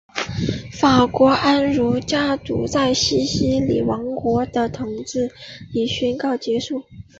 法国安茹家族在西西里王国的统治已宣告结束。